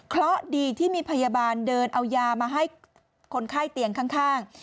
เพราะดีที่มีพยาบาลเดินเอายามาให้คนไข้เตียงข้าง